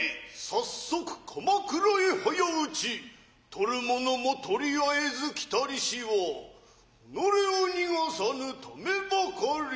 早速鎌倉へ早打取るものも取りあえず来たりしはおのれを逃さぬためばかり。